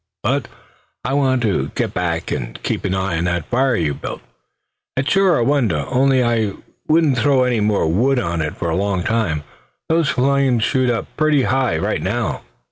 But I want to get back, and keep an eye on that fire you've built. It's sure a wonder, only I wouldn't throw any more wood on it for a long time. Those flames shoot up pretty high, right now."